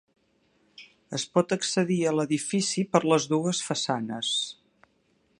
Es pot accedir a l'edifici per les dues façanes.